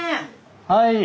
はい。